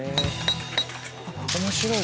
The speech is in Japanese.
面白い！